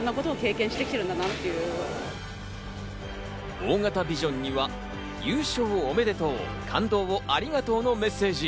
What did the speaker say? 大型ビジョンには、「優勝おめでとう！感動をありがとう！」のメッセージ。